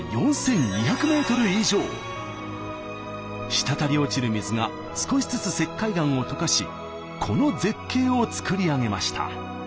滴り落ちる水が少しずつ石灰岩を溶かしこの絶景を作り上げました。